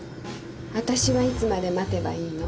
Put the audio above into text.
あたしはいつまで待てばいいの？